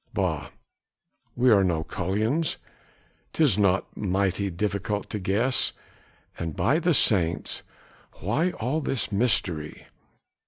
Bah, we are no cullions! 'tis not mighty difficult to guess. And by the saints! why all this mystery?